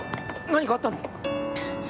何かあったの？